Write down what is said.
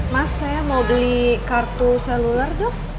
mas saya mau beli kartu seluler dok